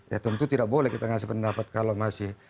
ya tentu tidak boleh kita ngasih pendapat kalau masih